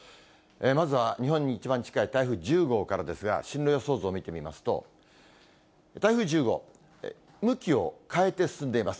まずは日本に一番近い台風１０号からですが、進路予想図を見てみますと、台風１０号、向きを変えて進んでいます。